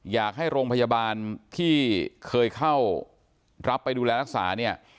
อยากให้โรงพยาบาลที่เคยเข้ารับไปดูแลรักษาเนี่ย